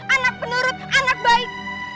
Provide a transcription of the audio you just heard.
anak penurut anak baik